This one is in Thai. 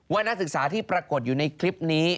นักศึกษาที่ปรากฏอยู่ในคลิปนี้